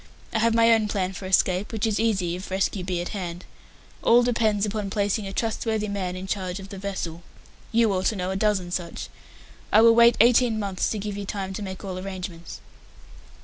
I have my own plan for escape, which is easy if rescue be at hand. All depends upon placing a trustworthy man in charge of the vessel. You ought to know a dozen such. I will wait eighteen months to give you time to make all arrangements."